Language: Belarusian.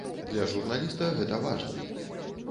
Для журналіста гэта важна.